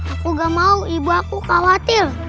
aku gak mau ibu aku khawatir